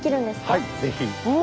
はいぜひ。